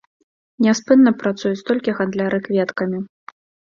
Няспынна працуюць толькі гандляры кветкамі.